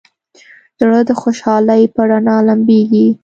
زړه د خوشحالۍ په رڼا لمبېږي.